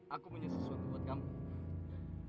aku punya sesuatu buat kamu